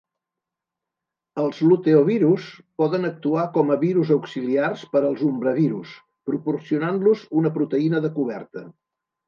Els luteovirus poden actuar com a virus auxiliars per als umbravirus, proporcionant-los una proteïna de coberta.